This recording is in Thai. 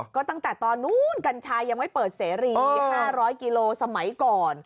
ก็ตั้งแต่ตอนนู้นกัญชายังไม่เปิดเสรี๕๐๐กิโลสมัยก่อน